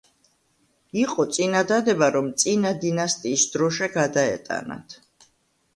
იყო წინადადება რომ წინა დინასტიის დროშა გადაეტანათ.